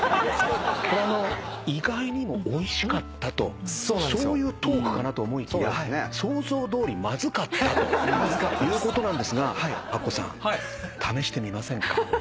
これ意外にもおいしかったとそういうトークかなと思いきや想像どおりまずかったということなんですがアッコさん試してみませんか？